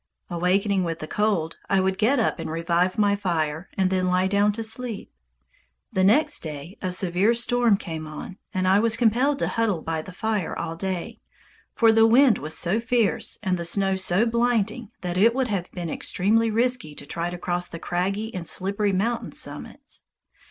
Awakening with the cold, I would get up and revive my fire, and then lie down to sleep. The next day a severe storm came on, and I was compelled to huddle by my fire all day, for the wind was so fierce and the snow so blinding that it would have been extremely risky to try to cross the craggy and slippery mountain summits.